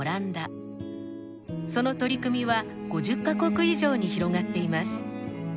その取り組みは５０カ国以上に広がっています。